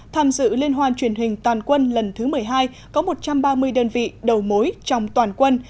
tham dự liên hoan truyền hình toàn quân lần thứ một mươi hai có một trăm ba mươi đơn vị đầu mối trong toàn quân